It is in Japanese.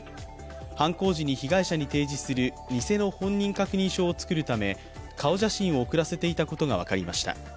犯行時に被害者に提示する偽の本人確認証を作るため顔写真を送らせていたことが分かりました。